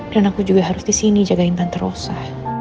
dan aku juga harus di sini jagain tante rosa